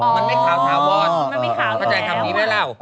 มันไม่ขาวถาวรมันไม่ขาวแบบนี้แหละเราอ๋อ